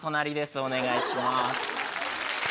お願いします。